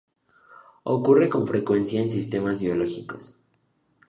Ocurre con frecuencia en sistemas biológicos.